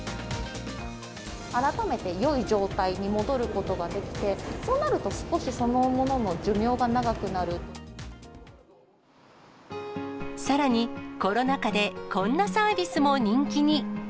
改めて、よい状態に戻ることができて、そうなると、少しそのさらに、コロナ禍で、こんなサービスも人気に。